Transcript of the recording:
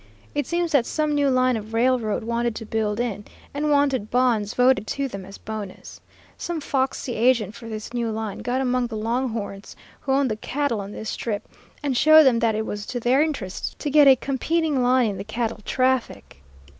It seems that some new line of railroad wanted to build in, and wanted bonds voted to them as bonus. Some foxy agent for this new line got among the long horns, who own the cattle on this Strip, and showed them that it was to their interests to get a competing line in the cattle traffic.